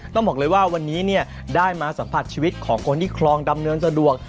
ต้องบอกเลยว่าวันนี้ได้มาสัมผัสชีวิตของคนที่คลองดำเนินสะดวก